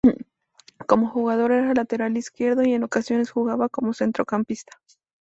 Como jugador era lateral izquierdo y en ocasiones jugaba como centrocampista.